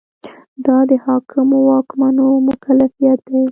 دا د حاکمو واکمنو مکلفیت دی.